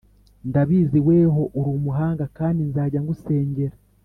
ndabizi weho urumuhanga kandi nzajya ngusengera